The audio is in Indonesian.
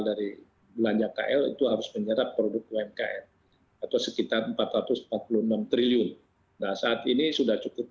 dari belanja kl itu harus menyerap produk umkm atau sekitar empat ratus empat puluh enam triliun nah saat ini sudah cukup